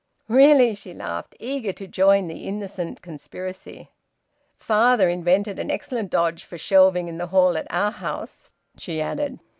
"Really!" She laughed, eager to join the innocent conspiracy. "Father invented an excellent dodge for shelving in the hall at our house," she added.